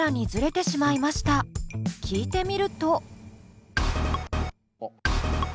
聴いてみると。